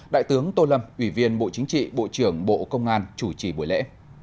đại tướng tô lâm ủy viên bộ chính trị bộ trưởng bộ công an chủ trì buổi lễ